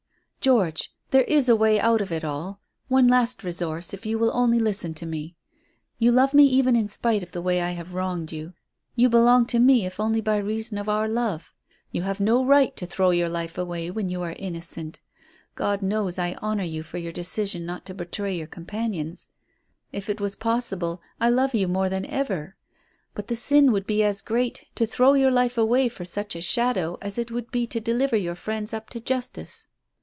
"George, there is a way out of it all; one last resource if you will only listen to me. You love me even in spite of the way I have wronged you. You belong to me if only by reason of our love. You have no right to throw your life away when you are innocent. God knows I honour you for your decision not to betray your companions. If it were possible, I love you more than ever. But the sin would be as great to throw your life away for such a shadow as it would be to deliver your friends up to justice.